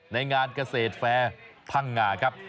ในงานเกษตรแฟร์พังงาครับ